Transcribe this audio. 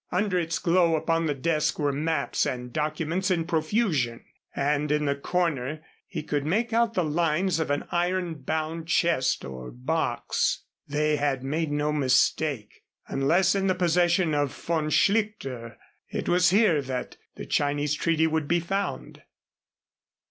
Under its glow upon the desk were maps and documents in profusion. And in the corner he could make out the lines of an iron bound chest or box. They had made no mistake. Unless in the possession of Von Schlichter it was here that the Chinese treaty would be found.